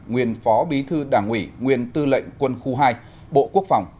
nguyên phó bí thư đảng ủy nguyên tư lệnh quân khu hai bộ quốc phòng